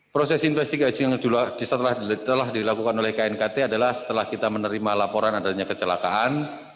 proses investigasi yang telah dilakukan oleh knkt adalah setelah kita menerima laporan adanya kecelakaan